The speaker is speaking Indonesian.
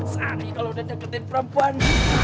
sari kalau udah nyeketin perempuan